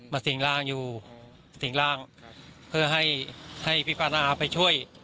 สิ่งร่างอยู่สิ่งร่างเพื่อให้ให้พี่ป้านาไปช่วย